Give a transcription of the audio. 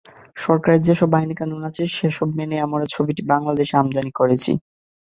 সরকারের যেসব আইনকানুন আছে, সেসব মেনেই আমরা ছবিটি বাংলাদেশে আমদানি করেছি।